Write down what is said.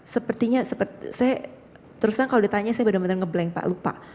sepertinya saya terus terang kalau ditanya saya benar benar ngeblank pak lupa